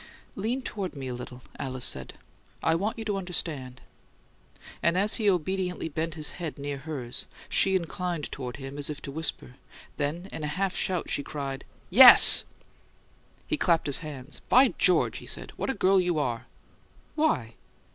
"Lean toward me a little," Alice said. "I want you to understand." And as he obediently bent his head near hers, she inclined toward him as if to whisper; then, in a half shout, she cried, "YES!" He clapped his hands. "By George!" he said. "What a girl you are!" "Why?"